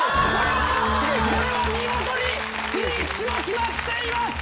これは見事にフィニッシュも決まっています！